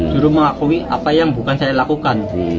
juru mengakui apa yang bukan saya lakukan